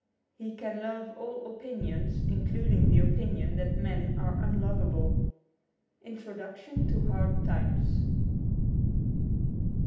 He can love all opinions, including the opinion that men are unlovable. Introduction to ^Hard Times.'